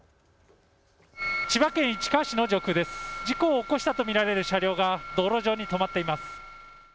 事故を起こしたと見られる車両が道路上に止まっています。